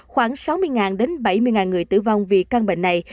khoảng sáu mươi đến bảy mươi người tử vong vì căn bệnh này